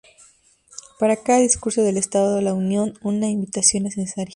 Para cada discurso del Estado la Unión, una "invitación" es necesaria.